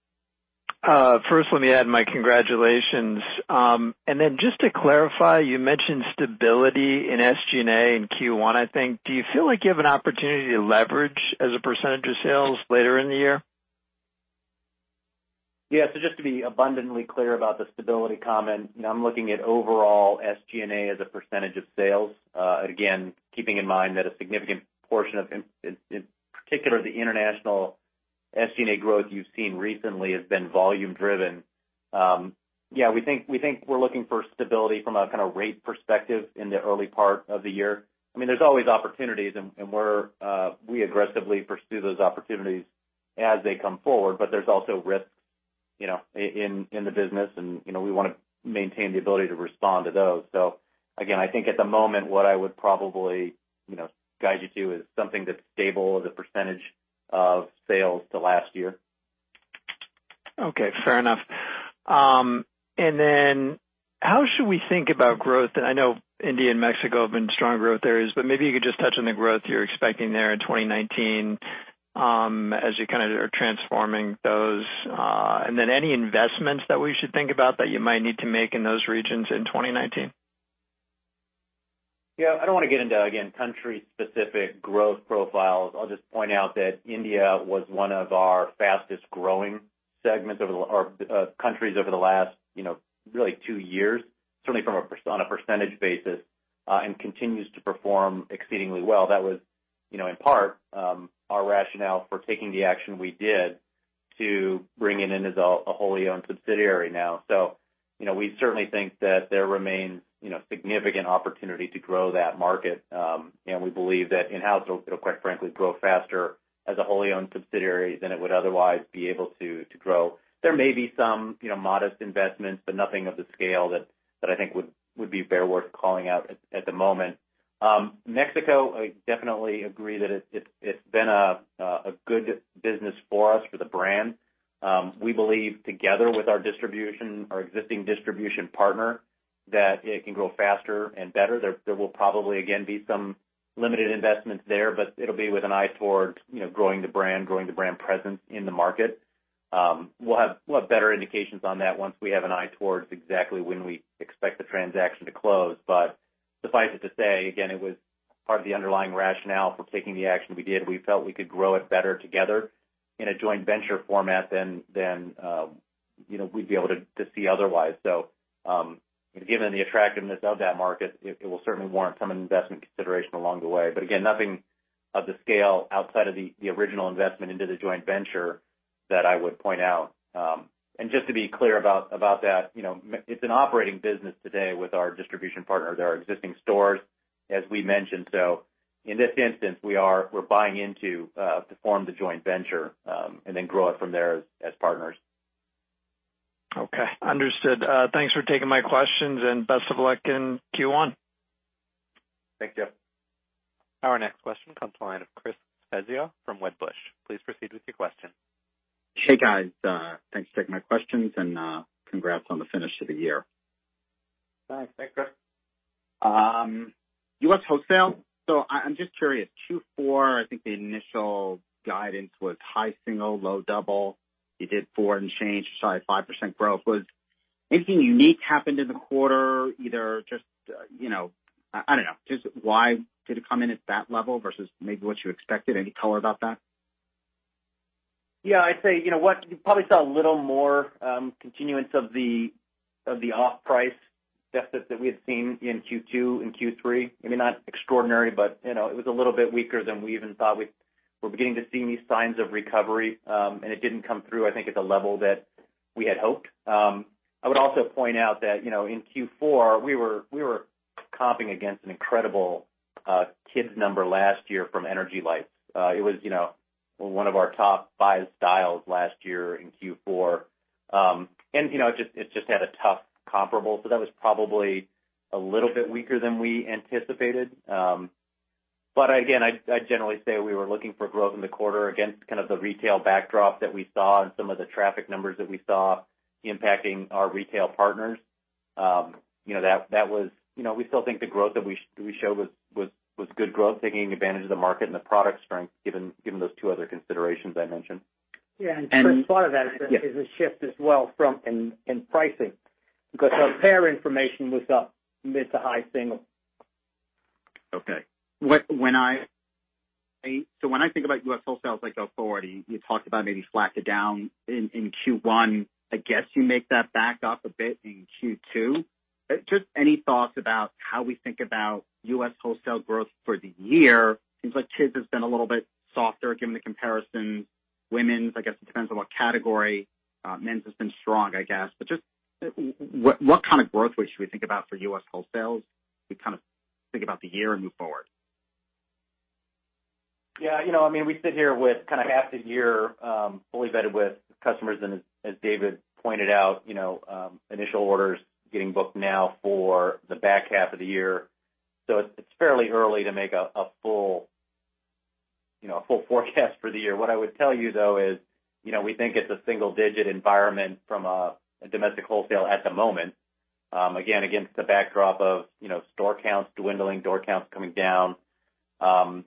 First, let me add my congratulations. Then just to clarify, you mentioned stability in SG&A in Q1, I think. Do you feel like you have an opportunity to leverage as a percentage of sales later in the year? Yeah. Just to be abundantly clear about the stability comment, I'm looking at overall SG&A as a percentage of sales. Again, keeping in mind that a significant portion of, in particular, the international SG&A growth you've seen recently has been volume driven. Yeah, we think we're looking for stability from a kind of rate perspective in the early part of the year. There's always opportunities, and we aggressively pursue those opportunities as they come forward, but there's also risks in the business, and we want to maintain the ability to respond to those. Again, I think at the moment, what I would probably guide you to is something that's stable as a percentage of sales to last year. Okay, fair enough. Then how should we think about growth? I know India and Mexico have been strong growth areas, but maybe you could just touch on the growth you're expecting there in 2019 as you kind of are transforming those. Then any investments that we should think about that you might need to make in those regions in 2019? Yeah, I don't want to get into, again, country-specific growth profiles. I'll just point out that India was one of our fastest-growing countries over the last really two years, certainly on a percentage basis, and continues to perform exceedingly well. That was, in part, our rationale for taking the action we did to bring it in as a wholly owned subsidiary now. We certainly think that there remains significant opportunity to grow that market. We believe that in-house, it'll quite frankly, grow faster as a wholly owned subsidiary than it would otherwise be able to grow. There may be some modest investments, but nothing of the scale that I think would be bear worth calling out at the moment. Mexico, I definitely agree that it's been a good business for us, for the brand. We believe together with our distribution, our existing distribution partner, that it can grow faster and better. There will probably, again, be some limited investments there, but it'll be with an eye toward growing the brand, growing the brand presence in the market. We'll have better indications on that once we have an eye towards exactly when we expect the transaction to close. Suffice it to say, again, it was part of the underlying rationale for taking the action we did. We felt we could grow it better together in a joint venture format than we'd be able to see otherwise. Given the attractiveness of that market, it will certainly warrant some investment consideration along the way. Again, nothing of the scale outside of the original investment into the joint venture that I would point out. Just to be clear about that, it's an operating business today with our distribution partners, our existing stores, as we mentioned. In this instance, we're buying into to form the joint venture, and then grow it from there as partners. Okay. Understood. Thanks for taking my questions, and best of luck in Q1. Thank you. Our next question comes to the line of Chris Svezia from Wedbush. Please proceed with your question. Hey, guys. Thanks for taking my questions, and congrats on the finish to the year. Thanks. Thanks, Chris. U.S. wholesale. I'm just curious, Q4, I think the initial guidance was high single, low double. You did four and change, sorry, 5% growth. Was anything unique happened in the quarter, either just, I don't know. Just why did it come in at that level versus maybe what you expected? Any color about that? Yeah, I'd say, what you probably saw a little more continuance of the off-price deficit that we had seen in Q2 and Q3. Maybe not extraordinary, but it was a little bit weaker than we even thought. We were beginning to see these signs of recovery, and it didn't come through, I think, at the level that we had hoped. I would also point out that in Q4, we were comping against an incredible Kids number last year from Energy Lights. It was one of our top five styles last year in Q4. It just had a tough comparable, so that was probably a little bit weaker than we anticipated. Again, I'd generally say we were looking for growth in the quarter against kind of the retail backdrop that we saw and some of the traffic numbers that we saw impacting our retail partners. We still think the growth that we showed was good growth, taking advantage of the market and the product strength, given those two other considerations I mentioned. Yeah. Chris, part of that is a shift as well in pricing, because compare information was up mid to high single. When I think about U.S. wholesale like Authority, you talked about maybe flat to down in Q1. I guess you make that back up a bit in Q2. Just any thoughts about how we think about U.S. wholesale growth for the year? Seems like Kids has been a little bit softer given the comparison. Women's, I guess it depends on what category. Men's has been strong, I guess. Just what kind of growth rate should we think about for U.S. wholesale? We kind of think about the year and move forward. Yeah. We sit here with kind of half the year, fully vetted with customers, and as David pointed out, initial orders getting booked now for the back half of the year. It's fairly early to make a full forecast for the year. What I would tell you, though, is we think it's a single-digit environment from a domestic wholesale at the moment. Again, against the backdrop of store counts dwindling, door counts coming down. I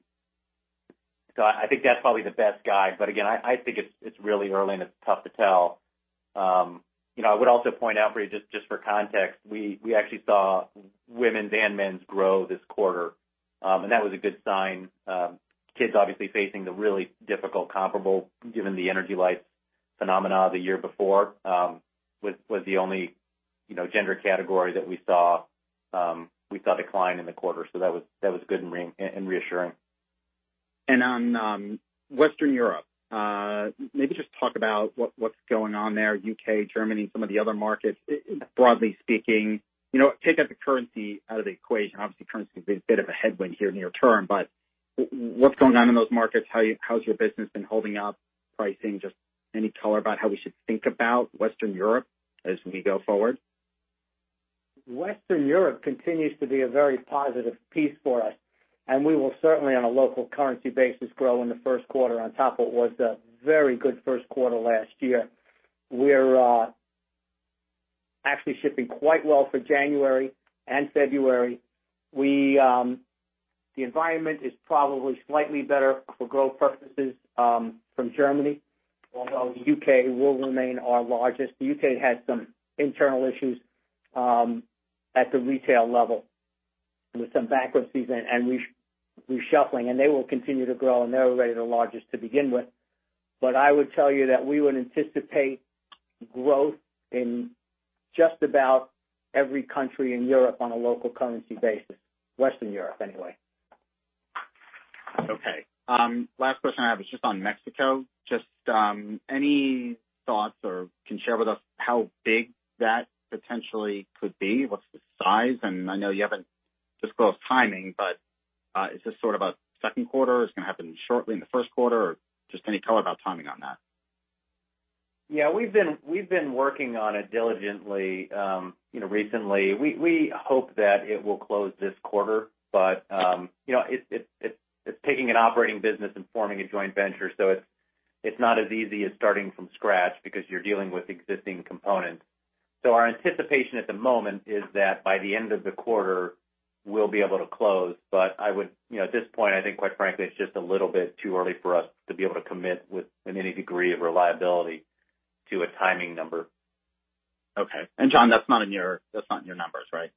think that's probably the best guide, again, I think it's really early and it's tough to tell. I would also point out for you, just for context, we actually saw Women's and Men's grow this quarter. That was a good sign. Kids obviously facing the really difficult comparable, given the Energy Lights phenomena the year before, was the only gender category that we saw decline in the quarter. That was good and reassuring. On Western Europe, maybe just talk about what's going on there, U.K., Germany, some of the other markets, broadly speaking. Take out the currency out of the equation. Obviously, currency has been a bit of a headwind here near term, what's going on in those markets? How's your business been holding up? Pricing, just any color about how we should think about Western Europe as we go forward? Western Europe continues to be a very positive piece for us, we will certainly, on a local currency basis, grow in the first quarter on top of what was a very good first quarter last year. We're actually shipping quite well for January and February. The environment is probably slightly better for growth purposes from Germany, although the U.K. will remain our largest. The U.K. had some internal issues at the retail level with some bankruptcies and reshuffling, and they will continue to grow, and they're already the largest to begin with. I would tell you that we would anticipate growth in just about every country in Europe on a local currency basis. Western Europe, anyway. Okay. Last question I have is just on Mexico. Just any thoughts or can share with us how big that potentially could be? What's the size? I know you haven't disclosed timing, but is this sort of a second quarter? Is it going to happen shortly in the first quarter? Or just any color about timing on that. Yeah, we've been working on it diligently recently. We hope that it will close this quarter, but it's taking an operating business and forming a joint venture, so it's not as easy as starting from scratch because you're dealing with existing components. Our anticipation at the moment is that by the end of the quarter, we'll be able to close. At this point, I think quite frankly, it's just a little bit too early for us to be able to commit with any degree of reliability to a timing number. Okay. John, that's not in your numbers, right?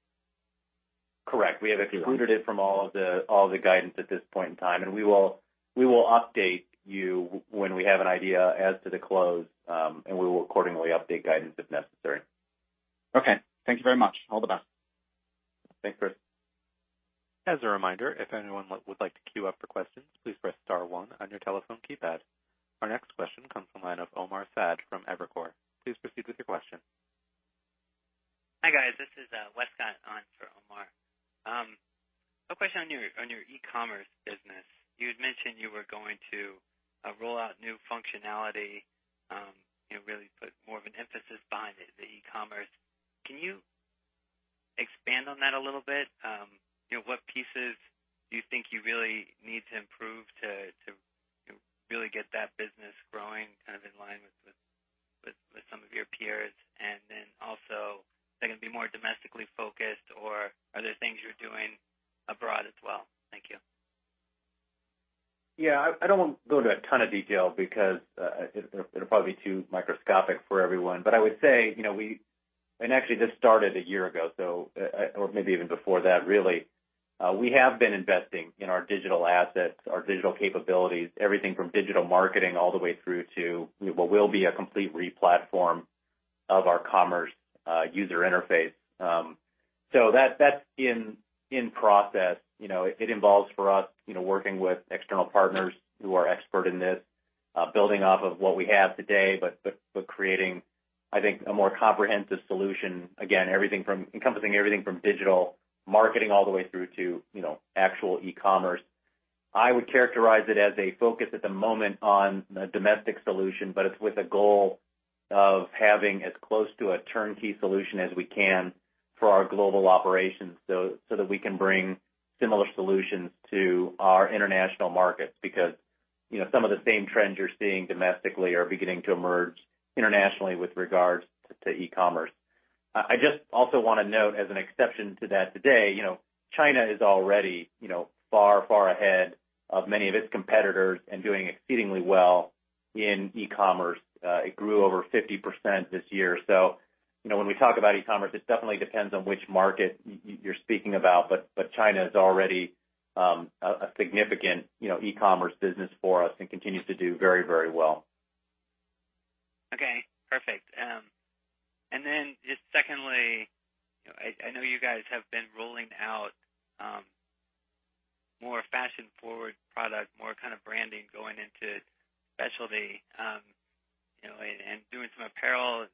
Correct. We have excluded it from all the guidance at this point in time. We will update you when we have an idea as to the close, and we will accordingly update guidance if necessary. Okay. Thank you very much. All the best. Thanks, Chris. As a reminder, if anyone would like to queue up for questions, please press star one on your telephone keypad. Our next question comes from the line of Omar Saad from Evercore. Please proceed with your question. Hi, guys. This is Westcott on for Omar. A question on your e-commerce business. You had mentioned you were going to roll out new functionality, really put more of an emphasis behind the e-commerce. Can you expand on that a little bit? What pieces do you think you really need to improve to really get that business growing in line with some of your peers? Is that going to be more domestically focused, or are there things you're doing abroad as well? Thank you. Yeah. I don't want to go into a ton of detail because it'll probably be too microscopic for everyone. I would say, actually this started a year ago, or maybe even before that, really. We have been investing in our digital assets, our digital capabilities, everything from digital marketing all the way through to what will be a complete replatform of our commerce user interface. That's in process. It involves, for us, working with external partners who are expert in this, building off of what we have today, but creating, I think, a more comprehensive solution. Again, encompassing everything from digital marketing all the way through to actual e-commerce. I would characterize it as a focus at the moment on a domestic solution, it's with a goal of having as close to a turnkey solution as we can for our global operations that we can bring similar solutions to our international markets. Some of the same trends you're seeing domestically are beginning to emerge internationally with regards to e-commerce. I just also want to note as an exception to that today, China is already far ahead of many of its competitors and doing exceedingly well in e-commerce. It grew over 50% this year. When we talk about e-commerce, it definitely depends on which market you're speaking about, but China is already a significant e-commerce business for us and continues to do very well. Okay, perfect. Just secondly, I know you guys have been rolling out more fashion-forward product, more branding, going into specialty, and doing some apparel.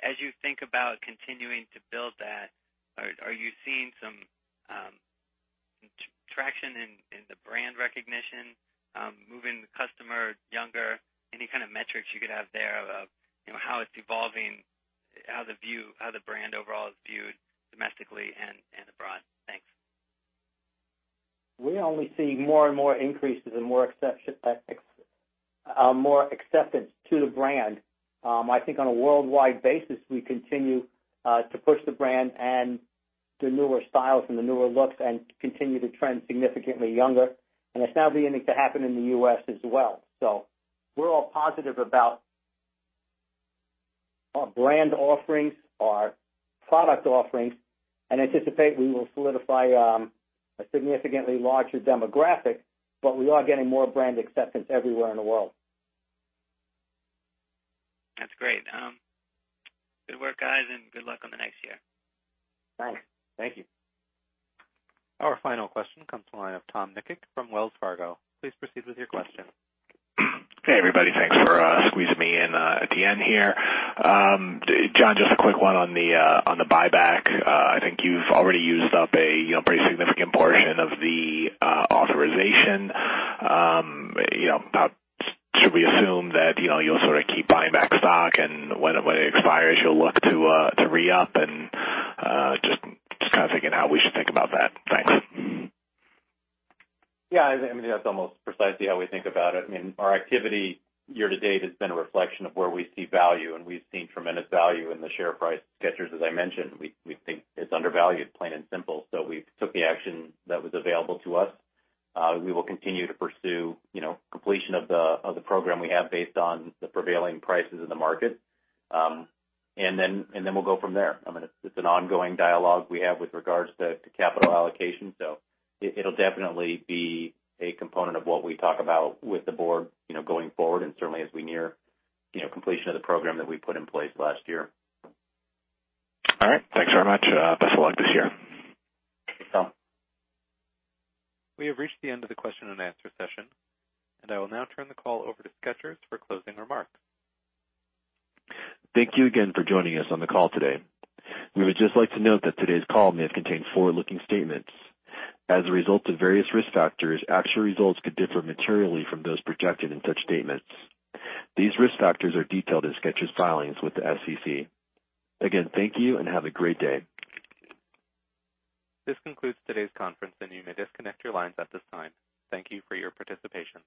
As you think about continuing to build that, are you seeing some traction in the brand recognition, moving the customer younger? Any kind of metrics you could have there of how it's evolving, how the brand overall is viewed domestically and abroad? Thanks. We only see more and more increases and more acceptance to the brand. I think on a worldwide basis, we continue to push the brand and the newer styles and the newer looks and continue to trend significantly younger, and it's now beginning to happen in the U.S. as well. We're all positive about our brand offerings, our product offerings, and anticipate we will solidify a significantly larger demographic, we are getting more brand acceptance everywhere in the world. That's great. Good work, guys, and good luck on the next year. Thanks. Thank you. Our final question comes to the line of Tom Nikic from Wells Fargo. Please proceed with your question. Hey, everybody. Thanks for squeezing me in at the end here. John, just a quick one on the buyback. I think you've already used up a pretty significant portion of the authorization. Should we assume that you'll sort of keep buying back stock, and when it expires, you'll look to re-up, and just kind of thinking how we should think about that. Thanks. Yeah. I mean, that's almost precisely how we think about it. I mean, our activity year to date has been a reflection of where we see value, and we've seen tremendous value in the share price of Skechers, as I mentioned. We think it's undervalued, plain and simple. We took the action that was available to us. We will continue to pursue completion of the program we have based on the prevailing prices in the market. Then we'll go from there. I mean, it's an ongoing dialogue we have with regards to capital allocation. It'll definitely be a component of what we talk about with the board going forward and certainly as we near completion of the program that we put in place last year. All right. Thanks very much. Best of luck this year. Thanks, Tom. We have reached the end of the question and answer session, and I will now turn the call over to Skechers for closing remarks. Thank you again for joining us on the call today. We would just like to note that today's call may have contained forward-looking statements. As a result of various risk factors, actual results could differ materially from those projected in such statements. These risk factors are detailed in Skechers' filings with the SEC. Again, thank you and have a great day. This concludes today's conference, and you may disconnect your lines at this time. Thank you for your participation.